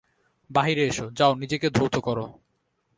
বাহিরে এস, যাও নিজেকে ধৌত কর।